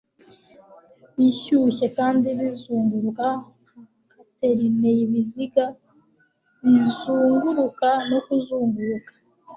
bishyushye kandi bizunguruka nka catherineibiziga bizunguruka no kuzunguruka